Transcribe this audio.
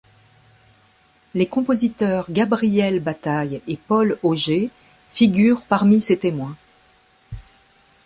Les compositeurs Gabriel Bataille et Paul Auget figurent parmi ses témoins.